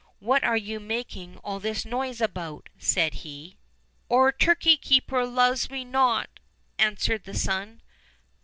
What are you making all this noise about?" said he. "Our turkey keeper loves me not," answered the son.